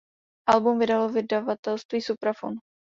Album vydalo vydavatelství "Supraphon".